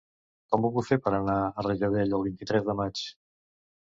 Com ho puc fer per anar a Rajadell el vint-i-tres de maig?